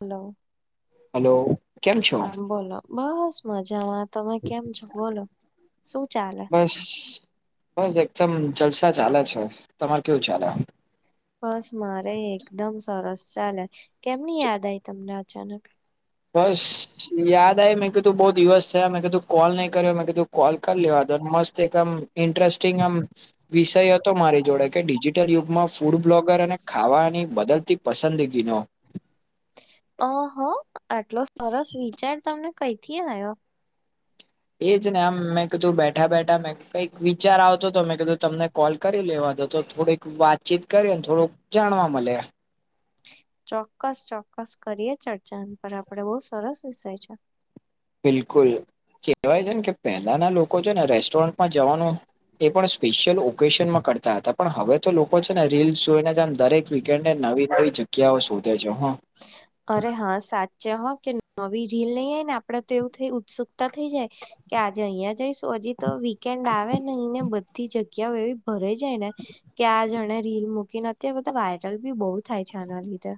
Hello. Hello. હા બોલો બસ મજામાં તમે કેમ છો? બોલો શું ચાલે? બસ બસ એકદમ જલસા ચાલે છે તમારે કેવું ચાલે? બસ મારે એકદમ સરસ ચાલે કેમની યાદ આવી તમને અચાનક બસ યાદ આ મેં કીધું બહુ દિવસ થયા મેં કીધું કોલ નહી કર્યો મેં કીધું કોલ કરી લેવા દો મસ્ત એક આમ ઈન્ટ્રસ્ટિંગ આમ વિષય હતો મારી જોડે કે ડિજિટલ યુગ માં ફૂડ બ્લોગર અને ખાવાની બદલતી પસંદગીનો અહ આટલો સરસ વિચાર તમને કઈ થી આવ્યો. એજ ને આમ મેં કીધું બેઠા બેઠા મેં કઈક વિચાર આવતો હતો મેં કીધું તમને કોલ કરી લેવા તો તો થોડીક વાતચીત કરી ને થોડુંક જાણવા મળે. ચોક્કસ ચોક્કસ કરીએ ચર્ચા પર આપડે બહુ સરસ વિષય છે. બિલકુલ કેહેવાય છે ને કે પહેલાના લોકો છે ને રેસ્ટોરન્ટમાં જવાનું એ પણ સ્પેશિયલ ઓકેશનમાં કરતા હતા પણ હવે તો લોકો છે ને રીલ જોઈને દરેક વીકેન્ડે નવી નવી જગ્યાઓ શોધે છે હો. અરે હા સાચે હો કે નવી રીલ નહી આવેય ને આપડે તો એવું થઈ ઉત્સુકતા થઈ જાય. કે આજે અહિયા જઈશું હજી તો વીકેન્ડ આવે ને બધી જગ્યાઓ એવી ભરાઈ જાય ને કે આ જણે રીલ મૂકી નથી એ બધા વાયરલ બી બહુ થાય છે આના લીધે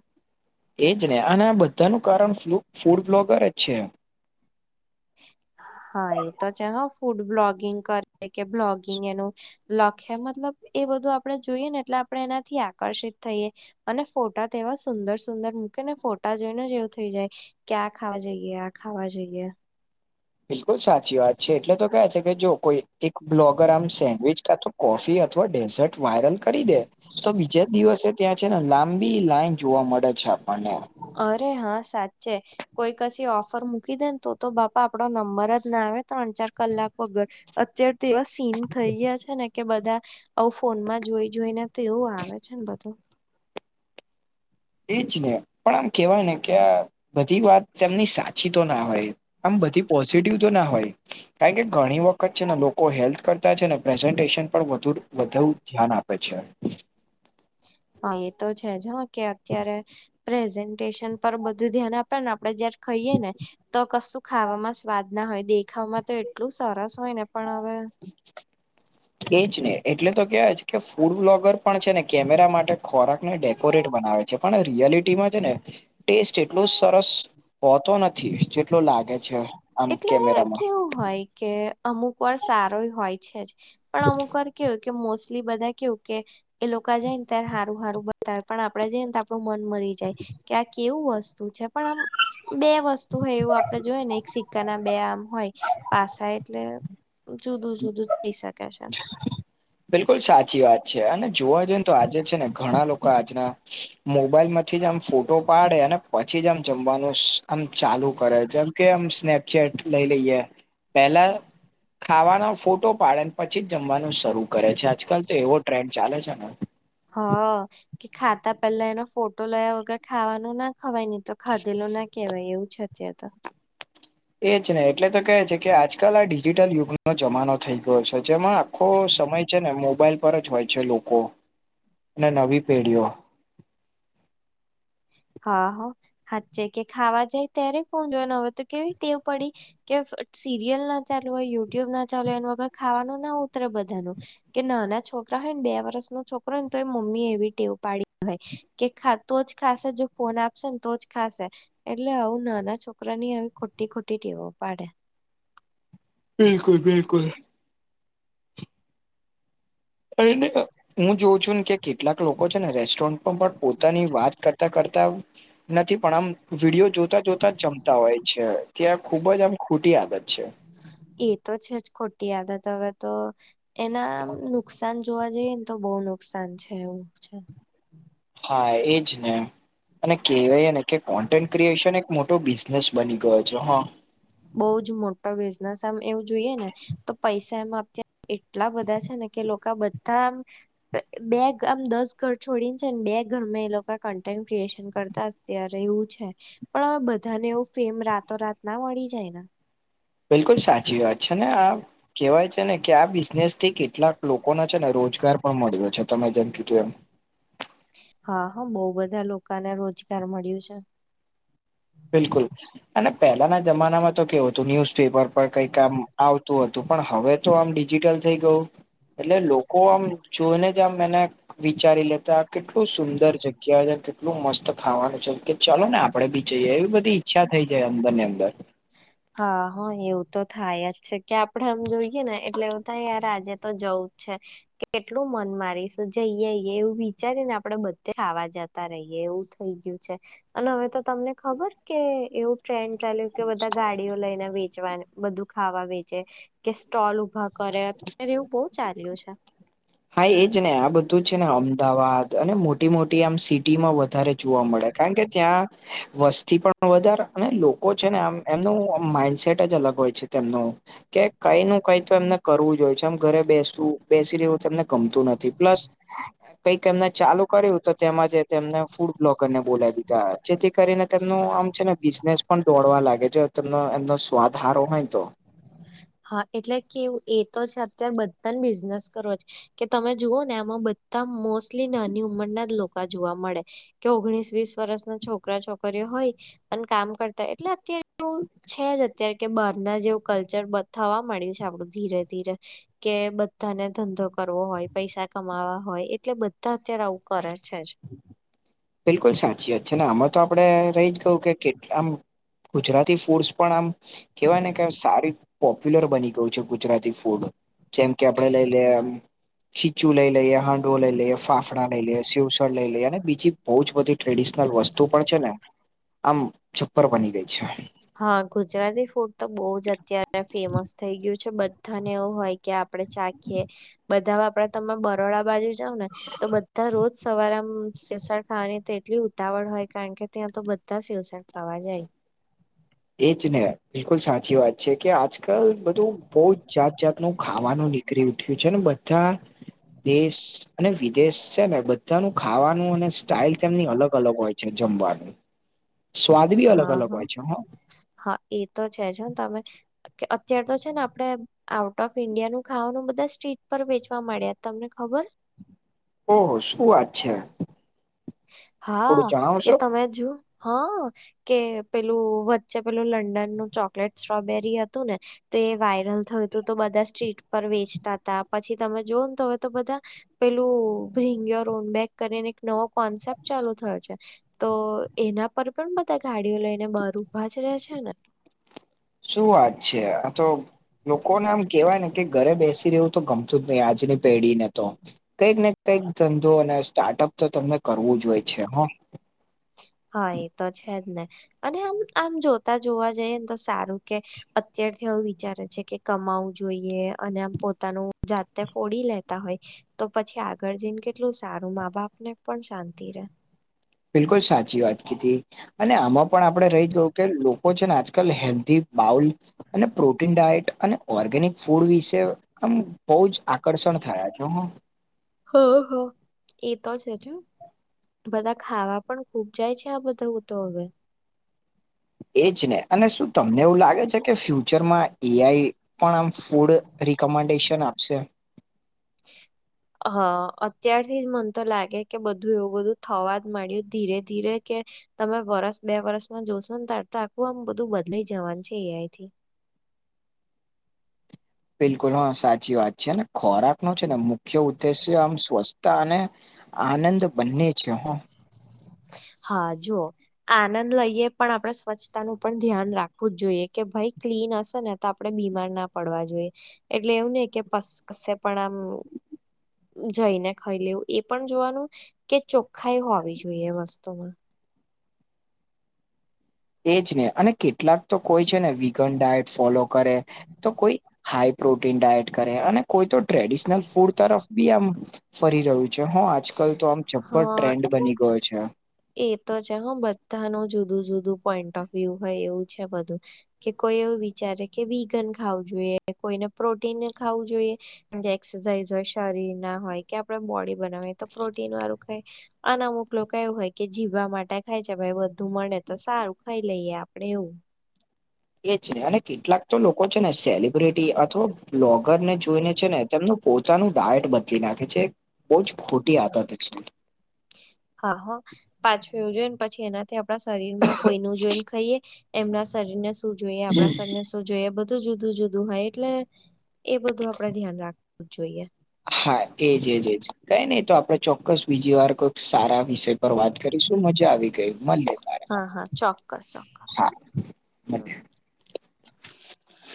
એજ ને અને બધાનું કારણફૂડ ફૂડ બ્લોગર જ છે. [inaudible] હા એ તો છે હ ફૂડ બ્લોગિંગ કરે કે બ્લોગિંગ એનું લખે મતલબ એ બધું આપડે જોઈએ ને એટલે આપણે એનાથી આકર્ષિત થઈએ અને ફોટા તેવા સુંદર સુંદર મૂકે ને ફોટા જોઈને એવું થઇ જાય. કે આ ખાવા જઈએ આ ખાવા જઈએ. બિલકુલ સાચી વાત છે એટલે તો કે છે કે જો કોઈ એક બ્લોગર આમ સેન્ડવીચ કાતો કોફી અથવા ડેઝર્ટ વાયરલ કરી દે તો બીજે દિવસે ત્યાં છે ને લાંબી લાઈન જોવા મળે છે આપણને અરે હા સાચે કોઈ કસી ઓફર મૂકી દે ને તો તો બાપા આપડો નંબર જ ના આવે ત્રણ ચાર કલાક વગર અત્યારે તો એવા સીન થઈ ગયા છે ને કે બધા આવું ફોનમાં જોઈ જોઈને તો એવું આવે છે ને બધું એજ ને પણ આમ કેવાય ને કે આ બધી વાત તેમની સાચી તો ના હોય આમ બધી પોઝિટિવ તો ના હોય. કારણ કે ઘણી વખત છે ને લોકો હેલ્થ કરતા છે ને પ્રેઝન્ટેશન પણુ વધુ ધ્યાન આપે છે. હા એ તો છે જ હા કે અત્યારે પ્રેઝન્ટેશન પર બધું ધ્યાન આપે ને આપડે જયારે ખાઈએે ને તો કશું ખાવામાં સ્વાદ ના હોય દેખાવામાં તો એટલું સરસ હોય ને પણ હવે [inaudible] એજ ને એટલે તો કેવાય કે ફૂડ બ્લોગર પણ છે ને કેમેરા માટે ખોરાકને ડેકોરેટ બનાવે છે પણ રિયાલિટીમાં છે ને ટેસ્ટ એટલો સરસ હોતો નથી જેટલો લાગે છે. આમ એટલે કેમેરામાં કેવું હોય કે અમુક વાર સારો હોય છે જ પણ અમુક વાર કેવું કે મોસ્ટલી બધા કેવું કે એ લોકો જાય ને ત્યારે હારું હારું બતાવે પણ આપડે જઈએને તો આપણું મન મરી જાય. કે આ કેવું વસ્તુ છે પણ આમ બે વસ્તુ હોય એવું આપડે જોઈય ને એક સિક્કાના બે આમ હોય પાસા એટલે જુદું જુદું થઇ શકે છે. [inaudible] બિલકુલ સાચી વાત છે અને જોવા જઈએ ને તો આજે છે ને ઘણા લોકો આજના મોબાઈલ માંથી જ આમ ફોટો પાડે ને પછી જ આમ જમવાનું આમ ચાલુ કરે જેમ કે આમ સ્નેપચેટ લઈ લઈએ પેલા ખાવાનો ફોટો પાડે પછી જ જમવાનું શરૂ કરે છે આજકાલ તો એવો ટ્રેન્ડ ચાલે છે ને હ કે ખાતા પેલા એનો ફોટો લયા વગર ખાવાનું ના ખવાય નહી તો ખાધેલો ના કહેવાય એવું જ અત્યાર તો એજ નને એટલે તો કેહે છે કે આજકાલ આ ડિજિટલ યુગનો જમાનો થઈ ગયો છે જેમાં આખો સમય છે ને મોબાઈલ પર જ હોય છે લોકો અને નવી પેઢીઓ હા હ હાચે કે ખાવા જાય ત્યારે ફો જોવાનું હવે તો કેવી ટેવ પડી કે સીરિયલ ના ચાલુ હોય યુટ્યુબ ના ચાલુ હોય એ વગર ખાવાનું ના ઉતરે બધાનું કે નાના છોકરા હોય ને બે વર્ષ નો છોકરો હોય ને તો એ મમ્મી એવી ટેવ પાડી હોય કે ખાતું જ ખાશે જો ફોન આપશે ને તો જ ખાશે એટલે આવું નાના છોકરા ની આવી ખોટી ખોટી ટેવો પાડે બિલકુલ બિલકુલ એ એ હું જોઉ છું કેકીટ કેટલાક લોકો છે ને રેસ્ટોરન્ટ પણ પોતાની વાત કરતા કરતા નથી પણ આમ વિડીયો જોતા જોતા જ જમતા હોય છે ત્યાં ખુબ જ આમ ખોટી આદત છે એ તો છે જ ખોટી આદત હવે તો એના નુકસાન જોવા જઈએ ને તો બહુ નુકસાન છે એવું છે હા એજ ને અને કહેવાય ને કે કોન્ટેન્ટ ક્રિએશન એક મોટો બિઝનેસ બની ગયો છે હા બઉ જ મોટો બિઝનેસ આમ એવું જોઈએ ને તો પૈસા એમાં અત એટલા બધા છે ને કે લોકો બધા બે આમ દસ ઘર છોડીને છે ને બે ઘર માં એ લોકો કન્ટેન્ટ ક્રિએશન કરતા અત્યારે એવું છે પણ હવે બધાને એવું ફેમ રાતોરાત ના મળી જાય ને બિલકુલ સાચી વાત છે ને આ કેવાય છે ને કે આ બિઝનેસ થી કેટલાક લોકોને છે ને રોજગાર પણ મળ્યો છે તમે જેમ કીધું એમ હા હા બહ બધા લોકોને રોજગાર મળ્યું છે બિલકુલ અને પહેલાના જમાનામાં તો કેવું હતું ન્યુઝપેપર પર કઈક કામ આવતું હતું તું પણ હવે તો આમ ડિજિટલ થઈ ગયું એટલે લોકો આમ જોઈને જ આમ એને વિચારી લેતા કેટલું સુંદર જગ્યા છે કેટલું મસ્ત ખાવાનું છે કે ચાલો ને આપડે બી એવી બધી ઈચ્છા થઈ જાય અંદર ની અંદર હા હા એવું તો થાય જ છે કે આપડે આમ જોઈએ ને એટલે એવું ત યાર આજે તો જવું જ છે કેટલું મન મારીશ જઈએ એવું વિચારીને આપડે બધે આવા જતા રહીએ એવું થઈ ગયું છે અને હવે તો તમને ખબર કે એવું ટ્રેન્ડ ચાલ્યું કે બધા ગાડીઓ લઈને વેચવા બધું ખાવા વેચે કે સ્ટોલ ઉપર ઉભા કરે અત્યારે એવું બહુ ચાલ્યું છે હા એજ ને આ બધું છે ને અમદાવાદ અને મોટી મોટી આમ સિટીમાં વધારે જોવા મળે કારણ કે ત્યાં વસ્તી પણ વધારે અને લોકો છે ને આમ એમનું માઈન્ડસેટ જ અલગ હોય છે તેમનો. કે કઈ નું કઈ તો એમને કરવું જ હોય છે આમ ઘરે બેસવું બેસી રહ્યું તો એમને ગમતું નથી પ્લસ કંઈક એમને ચાલુ કર્યું તો તેમાંજ તેમને ફૂડ બ્લોગર ને બોલાવી દીધા જેથી કરીને તેમનું આમ છે ને બિઝનેસ પણ દોડવા લાગે જો તેમનો એમનો સ્વાદ હારો હોયને તો [unintelligible] હા એટલે કેવું એ ત છે અતારે બધાને બિઝનેસ કરો છ કે તમે જુઓ ને આમાં તા મોસ્લી નાની ઉંમરના જ લોકા જોવા મળે. કે ઓગણીસ વીસ વરસ ન છોકરા છોકરીઓ હોય. પણ કામ કરતા એટલે અતારે એ છે જ અતારે કે બહાર ના જેવ કલ્ચર બથાવા મળ્યુ છે, આપડુ ધીરે ધીરે. કે બધાને ધંધો કરવો હોય, પૈસા કમાવા હોય એટલે બધા અતારે આવું કરે છે જ. બિલકુલ સાચી વાત છે ને આમા તો આપડણે રહી જ ગયુ કે કેટલા આમ ગુજરાતી ફૂડ્સ પણ આમ... કેવાય ને કે સારી પોપ્યુલર બની ગયુ છે ગુજરાતી ફૂડ. જેમ કે, આપડે લઈ લેમ... ખીચું લઈ લઈએ, હાંડવો લઈ લઈએ, ફાફડા લઈ લઈએ, સિવસળ લઈ લઈએ અને બીજી બઉ જ બધી ટ્રેડિસનલ વસ્તુ પણ છે, ને આમ છપ્પર બની ગઈ છે. હા ગુજરાતી ફૂડ તો બઉ જ અતારે ફેમસ થઈ ગયું છે બધાને એવુ હોય.. કે આપડે ચાખીએ બધાવા આપડે તમે બરોડા બાજુ જાવ ને તો બધા રોજ સવાર આમ્મ સેવસળ ખાવાની તો એટલી ઉતાવળ હોય કારણ કે, ત્યા તો બધા સેવસડળ ખાવા જાય. એ જ ને બિલકુલ સાચી વાત છે કે આજકાલ બધુ બોઉ જ જાત જાત.. નું ખાવાનુ નીકરી ઉઠ્યુ છે ને બધા દેસ અને વિદેસ સે ને બધાનું ખાવાનું અને સ્ટાઈલ તેમની અલગ અલગ હોય છે જમવાનું. સ્વાદ બી અલગ હા અલગ હા હોય છે. હ હા, એ તો છે જ હ તમે અત્યાર તો છે ને આપડે આઉટ ઓફ ઈન્ડિયા નુ ખાવાનુ બધા સ્ટ્રીટ પર વેચવા માળ્યા. તમને ખબર.. ઓહ! શું વાત છે. થોડું હા કે જણાવશો તમે જુ હ કે પેલું વ ચે પેલુ લંડનનું ચોકલેટ ટોબેરી હતુ ને તો એ વાયરલ થયુ તું તો બધા સ્ટ્રીટ પર વેચતા તા. પછી તમે જોવો ન તો હવે તો બધા પેલુ ભિંગ્યો રોમ બેક કરીને એક નોક કોન્સેપ્ટ ચાલુ થયો છે. તો એના પર પણ બધા ગાડીઓ લઈને બાર ઊભા જ રહે છે ને. શું વાત છે? આ તો લોકોને આમ કેવાય ને કે ઘરે બેસી રેવુ તો ગમતું જ નહી આજની પેઢી ને તો. કંઈક ને કંઈક ધંધો અને સ્ટાર્ટઅપ તો તમને કરવું જ હોય છે. હ હા એ તો છે જ ને અને આમ આમ જોતા જોવા જઈએ ને તો સારુ કે, અત્યારથી આવુ વિચારે છે કે કમાવું જોઈએ અને આમ પોતાનુ જાતે ફોડી લેતા હોય. તો પછી આગળ જઈને કેટલુ સારુ મા બાપ ને પણ શાંતિ રે. બિલકુલ સાચી વાત કીધી. અને આમાં પણ આપણે રહી ગયુ કે લોકો છે ને આજકાલ હેલ્ધી બાઉલ અને પ્રોટીન ડાયટ અને ઓર્ગેનિક ફૂડ વિસે આમ બઉ જ આકળષણ થયા છ હું. હઅ હઅ, એ તો છે જ. બધા ખાવા પણ ખૂબ જાય છે આ બધા તો હવે એ જ ને અને શું તમને એવું લાગે છે કે ફ્યુચરમાં એઆઈ પણ આમ ફૂડ રિકમેન્ડેશન આપશે. હ અત્યારથી જ મન તો લાગે કે બધું એવું બધું થવા જ મળ્યું ધીરે ધીરે કે તમે વરસ બે વરસમાં જોશો ને તાાર તો આખું આમ બધું બદલા જવાનું છે એઆઈ થી બિલકુલ હ સાચી વાત છે ને ખોરાક નો છે ને મુખ્ય ઉદ્દેશ્ય આમ સ્વસ્તા અને આનંદ બંને છે હો. હા જુઓ. આનંદ લઈએ પણ આપણે સ્વચ્છતા નુ પણ ધ્યાન રાખવું જ જોઈએ કે ભાઈ ક્લીન હશે ને ત આપડણે બીમાર ના પડવા જોઈએ એટલે એવ નઈ કે કશે પણ આમ જઈને ખઈ લેવું એ પણ જોવાનુ કે ચોખ્ખાઈ હોવી જોઈએ એ વસ્તુમા. એજ ને અને કેટલાક તો કોઈ છે ને વિગન ડાયટ ફોલો કરે. તો કોઈ હાઈ પ્રોટીન ડાયટ કરે અને કોઈ તો ટ્રેડિશનલ ફૂડ તરફ બી આમ ફરી રહ્યું છે હ આજકાલ તો આમ જપ્પર હા ટ્રેન્ડ એટલે બની ગયો છે. એ તો છે હ બધાનું જુદું જુદું પોઈન્ટ ઓફ વ્યુ હોય એવું છે બધું. કે કોઈ એવું વિચારે કે વિગન ખાવું જોઈએ કોઈને પ્રોટીન ખાવું જોઈએ. એક્સરસાઇઝ હોય શરીર ના હોય કે આપણે બોડી બનાવા તો પ્રોટીન વાળું ક અન અમુક લોકો એવું હોય કે જીવા માટે ખાય છે ભાઈ વધુ મળે તો સારું ખાઈ લઈએ આપડે એવું. એ જ ને અને કેટલાક તો લોકો છે ને સેલિબ્રિટી અથવા બ્લોગર ને જોઈને છે ને તેમનું પોતાનું ડાયટ બદલી નાખે છે ભોજ જ ખોટી આતા. હા હા પાછું એવું જોઈ ને પછી એના આપણા શરીર માં કોઈ ન જોઈન ખાઈએ એમના શરીર ને શું જોઈએ આપણા શરીર ને શું જોઈએ જું જુદું જુદું હોય એટલે એ બધું આપડે ધ્યાન રાખવું જ જોઈએ. હા એજજ એજ કઈ નહી તો આપડે ચોક્કસ બીજી વાર કોઈક સારા. વિષય પર વાત કરીશું મજા આવી ગઈ મળ તાર હા હા ચોક્કસ ચોક્કસ. હા. મળીએ.